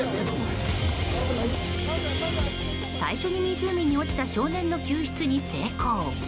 最初に湖に落ちた少年の救出に成功。